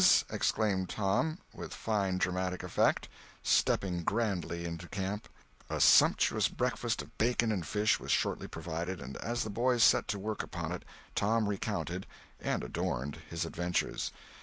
exclaimed Tom, with fine dramatic effect, stepping grandly into camp. A sumptuous breakfast of bacon and fish was shortly provided, and as the boys set to work upon it, Tom recounted (and adorned) his adventures.